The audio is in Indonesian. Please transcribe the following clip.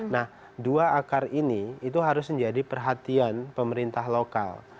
nah dua akar ini itu harus menjadi perhatian pemerintah lokal